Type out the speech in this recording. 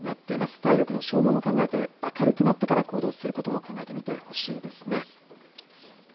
体力の消耗も考えて明るくなってから行動することを考えてみてほしいですね。